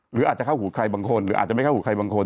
หรืออาจจะเข้าหูใครบางคนหรืออาจจะไม่เข้าหูใครบางคน